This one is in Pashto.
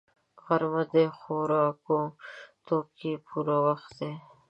غرمه د خوراکي توکو پوره وخت دی